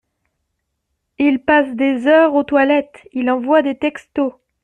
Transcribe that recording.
Il passe des heures aux toilettes, il envoie des textos.